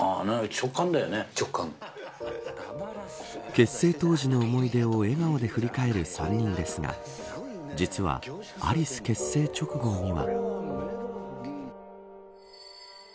結成当時の思い出を笑顔で振り返る３人ですが実はアリス結成直後には。